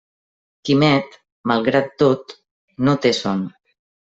Quimet, malgrat tot, no té son.